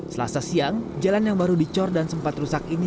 selasa siang jalan yang baru dicor dan sempat rusak ini